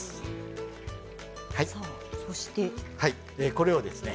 これをですね